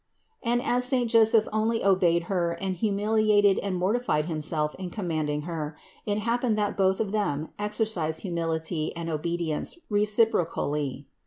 And as saint Joseph only obeyed Her and humiliated and mor tified himself in commanding Her, it happened that both of them exercised humility and obedience reciprocally.